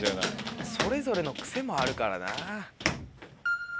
それぞれの癖もあるからなぁ。